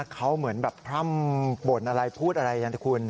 เขาเหมือนแบบพร่ำบ่นอะไรพูดอะไรกันนะคุณ